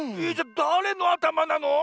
だれのあたまなの？